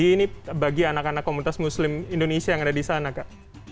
jadi ini bagi anak anak komunitas muslim indonesia yang ada di sana kak